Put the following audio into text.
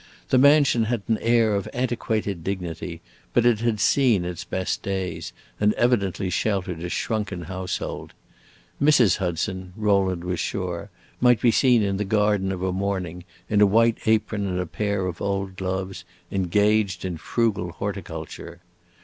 The mansion had an air of antiquated dignity, but it had seen its best days, and evidently sheltered a shrunken household. Mrs. Hudson, Rowland was sure, might be seen in the garden of a morning, in a white apron and a pair of old gloves, engaged in frugal horticulture.